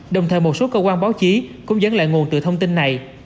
đồng thời một số cơ quan báo chí cũng dẫn lại nguồn từ thông tin này